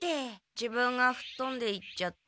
自分がふっとんでいっちゃった。